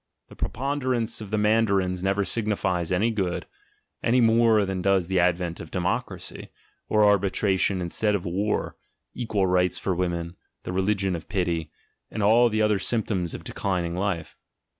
The preponderence of the mandarins never signifies any good, any more than does the advent of democracy, or arbitration instead of war, equal rights for women, the religion of pity, and all the other symptoms of declining life.